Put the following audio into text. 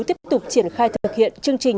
tiếp tục triển khai thực hiện chương trình